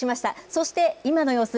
そして、今の様子。